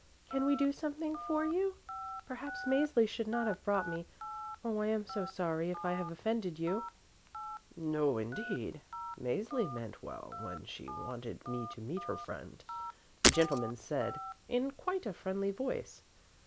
Can we do something for you? Perhaps Mäzli should not have brought me. Oh, I am so sorry if I have offended you." "No, indeed. Mäzli meant well when she wanted me to meet her friend," the gentleman said in quite a friendly voice.